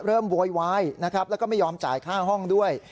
โวยวายนะครับแล้วก็ไม่ยอมจ่ายค่าห้องด้วย